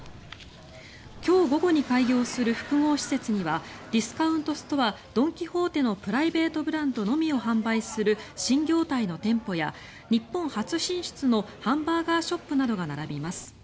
今日午後に開業する複合施設にはディスカウントストアドン・キホーテのプライベートブランドのみを販売する新業態の店舗や日本初進出のハンバーガーショップなどが並びます。